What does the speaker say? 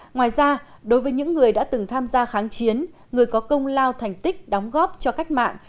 ngoài ra đối với những người đã từng tham gia kháng chiến người có công lao thành tích đóng góp cho cách mạng